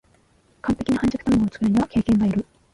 完璧な半熟たまごを作るには経験がいる